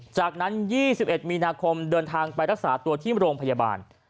จากนั้น๒๑มีนาคมเดินทางไปรักษาตัวที่โรงพยาบาล